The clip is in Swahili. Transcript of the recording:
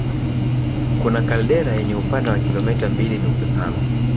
Kuna kaldera yenye upana wa kilomita mbili nukta tano